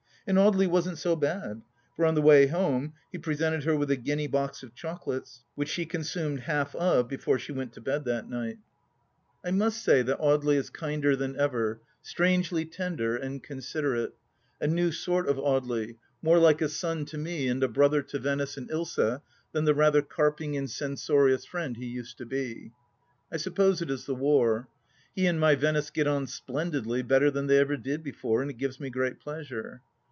And Audely wasn't so bad, for on the way home he presented her with a guinea box of chocolates, which she consumed half of before she went to bed that night. 144 TUB L.AST DITCH I must say that Audely is kinder than ever, strangely tender and considerate : a new sort of Audely, more like a son to me and a brother to Venice and Ilsa than the rather carping and censorious friend he used to be. I suppose it is the war. He and my Venice get on splendidly, better than they ever did before, and it gives me great pleasure.